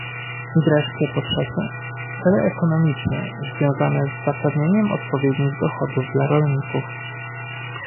I wreszcie po trzecie, cele ekonomiczne, związane z zapewnieniem odpowiednich dochodów dla rolników